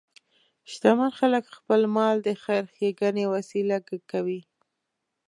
شتمن خلک خپل مال د خیر ښیګڼې وسیله کوي.